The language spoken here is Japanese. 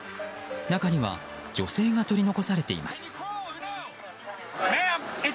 中には女性が取り残されています。